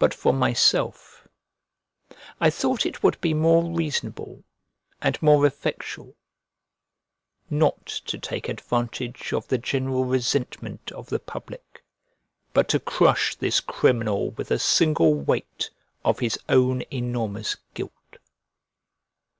But for myself, I thought it would be more reasonable and more effectual, not to take advantage of the general resentment of the public, but to crush this criminal with the single weight of his own enormous guilt.